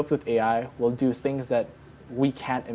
para pelajar yang terbuka dengan ai